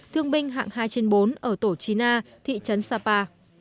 thương binh hạng hai trên bốn ở tổ chí na thị trấn sapa